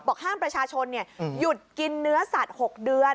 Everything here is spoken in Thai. ห้ามประชาชนหยุดกินเนื้อสัตว์๖เดือน